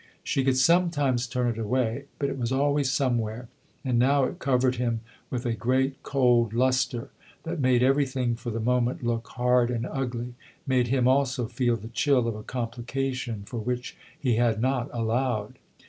She could sometimes tiirn it away, but it was always somewhere; and now it covered him with a great cold lustre that made everything for the moment look hard and ugly made him also feel the chill of a complication for which he had not allowed.